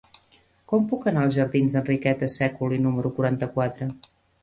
Com puc anar als jardins d'Enriqueta Sèculi número quaranta-quatre?